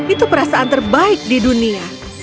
itu perasaan terbaik di dunia